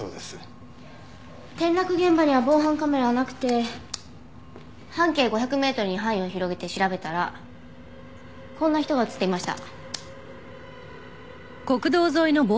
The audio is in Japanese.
転落現場には防犯カメラはなくて半径５００メートルに範囲を広げて調べたらこんな人が映っていました。